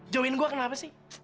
jauhin gue kenapa sih